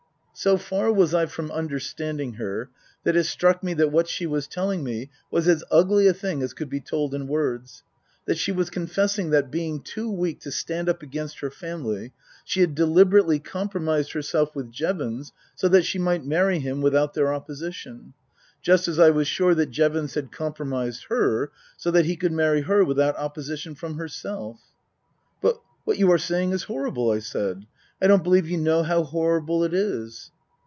So far was I from understanding her that it struck me that what she was telling me was as ugly a thing as could be told in words ; that she was confessing that, being too weak to stand up against her family, she had deliberately compromised herself with Jevons so that she might marry him without their opposition ; just as I was sure that Jevons had compromised her so that he could marry her without opposition from herself. " But what you are saying is horrible," I said. " I don't believe you know how horrible it is."